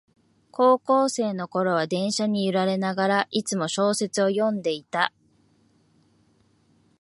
高校生のころは電車に揺られながら、いつも小説を読んでいた